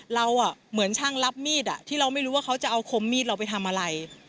เราเหมือนช่างรับมีดที่เราไม่รู้ว่าเขาจะเอาคมมีดเราไปทำอะไร